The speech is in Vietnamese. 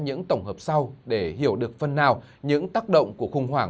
những tổng hợp sau để hiểu được phần nào những tác động của khủng hoảng